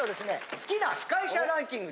好きな司会者ランキング